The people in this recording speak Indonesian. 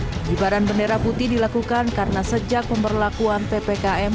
penghibaran bendera putih dilakukan karena sejak pemberlakuan ppkm